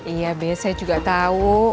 iya b saya juga tau